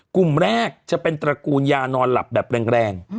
กลุ่มแรกจะเป็นตระกูลยานอนหลับแบบแรง